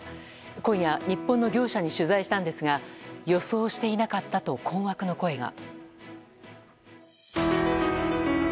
今夜、日本の業者に取材したんですが予想していなかったと困惑の声が。